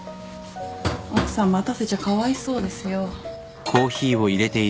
奥さん待たせちゃかわいそうですよ。